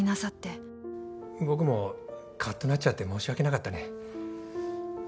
僕もかっとなっちゃって申し訳なかったね。